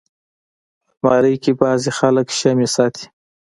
الماري کې بعضي خلک شمعې ساتي